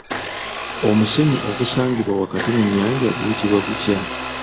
Omusenyu ogusangibwa wakati mu nnyanja guyitibwa gutya?